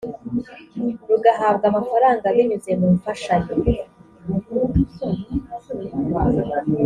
rugahabwa amafaranga binyuze mu mfashanyo